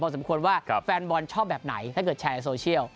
สมควรว่าแฟนบอลชอบแบบไหนถ้าเกิดแชร์ในโซเชียล